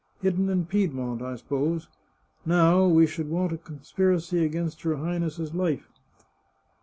" Hidden in Piedmont, I suppose. Now, we should want a conspiracy against your Highness's life."